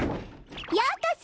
ようこそ！